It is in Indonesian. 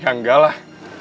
ya enggak lah